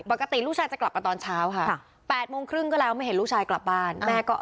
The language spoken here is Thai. ปกติลูกชายจะกลับมาตอนเช้าค่ะ๘โมงครึ่งก็แล้วไม่เห็นลูกชายกลับบ้านแม่ก็